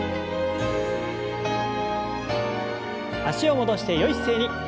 脚を戻してよい姿勢に。